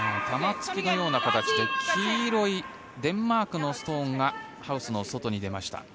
玉突きのような形で黄色いデンマークのストーンがハウスの外に出ました。